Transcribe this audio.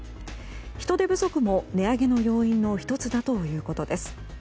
人手不足も値上げの要因の１つだということです。